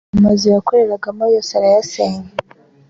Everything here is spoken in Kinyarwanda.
amazu yakoreragamo yo yarayasenywe yose